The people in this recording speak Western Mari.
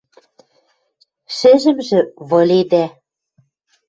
Шӹжӹмжӹ выледӓ.